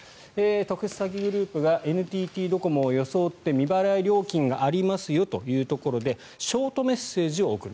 特殊詐欺グループがＮＴＴドコモを装って未払い料金がありますよというところでショートメッセージを送る。